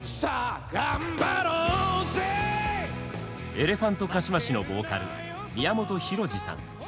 エレファントカシマシのボーカル宮本浩次さん。